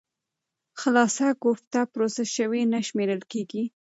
خالصه کوفته پروسس شوې نه شمېرل کېږي.